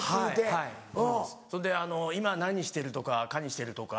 はいそうなんですそれで今何してるとかかにしてるとか。